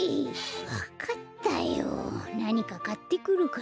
わかったよなにかかってくるから。